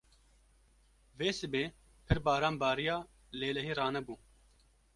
Vê sibê pir baran bariya lê lehî ranebû.